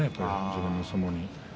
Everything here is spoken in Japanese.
自分の相撲に。